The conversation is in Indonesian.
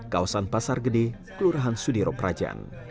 kawasan pasar gede kelurahan sudiro prajan